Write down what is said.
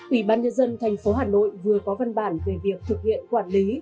ủy ban nhân dân thành phố hà nội vừa có văn bản về việc thực hiện quản lý